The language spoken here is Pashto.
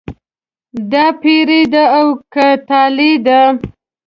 دا پیري ده او که طالع ده.